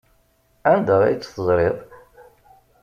Anda ay tt-teẓriḍ?